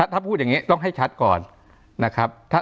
ถ้าพูดอย่างนี้ต้องให้ชัดก่อนนะครับ